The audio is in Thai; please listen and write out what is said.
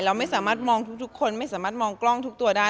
เราไม่สามารถมองทุกคนไม่สามารถมองกล้องทุกตัวได้